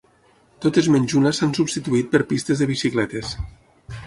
Totes menys una s'han substituït per pistes de bicicletes.